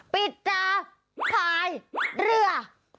ปิดตาคายเรือ